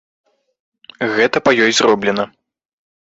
Гэта па ёй зроблена.